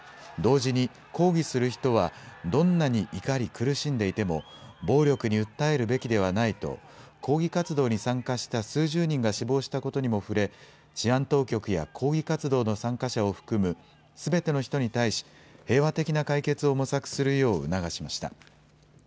同時に抗議する人はどんなに怒り苦しんでいても暴力に訴えるべきではないと抗議活動に参加した数十人が死亡したことにも触れ、治安当局や抗議活動の参加者を含むすべての人に対し、平和的な解決を模索するよう促しました。